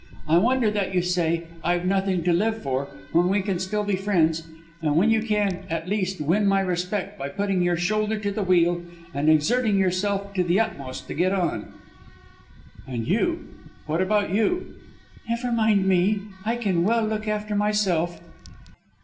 I wonder that you say 'I've nothing to live for' when we can still be friends; and when you can, at least, win my respect, by putting your shoulder to the wheel, and exerting yourself to the utmost to get on." "And you what about you?" "Never mind me I can well look after myself."